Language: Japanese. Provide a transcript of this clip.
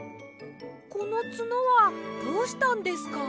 このツノはどうしたんですか？